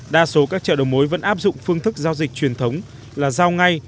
đa số các chợ đầu mối vẫn áp dụng phương thức giao dịch truyền thống là giao ngay